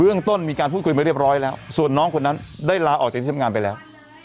เรื่องต้นมีการพูดคุยมาเรียบร้อยแล้วส่วนน้องคนนั้นได้ลาออกจากที่ทำงานไปแล้ว